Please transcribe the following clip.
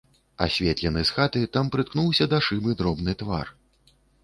Асветлены з хаты, там прыткнуўся да шыбы дробны твар.